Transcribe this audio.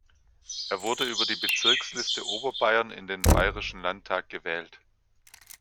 Er wurde über die Bezirksliste Oberbayern in den bayerischen Landtag gewählt.